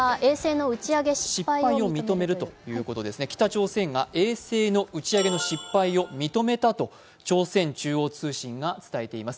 北朝鮮が衛星の打ち上げの失敗を認めたと朝鮮中央通信が伝えています。